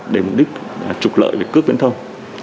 để mục đích trục lợi về cước viễn thông